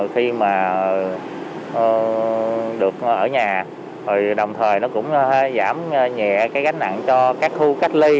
khi mà được ở nhà rồi đồng thời nó cũng giảm nhẹ cái gánh nặng cho các khu cách ly